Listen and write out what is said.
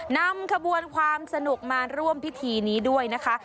นำขบวนความสนุกมาร่วมพิธีนี้ด้วยนะคะ